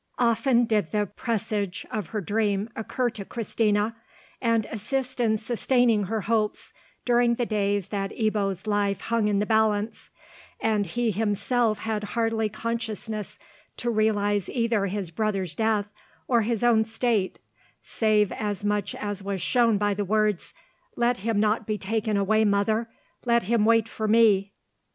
Often did the presage of her dream occur to Christina, and assist in sustaining her hopes during the days that Ebbo's life hung in the balance, and he himself had hardly consciousness to realize either his brother's death or his own state, save as much as was shown by the words, "Let him not be taken away, mother; let him wait for me."